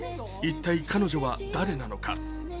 一体、彼女は誰なのか？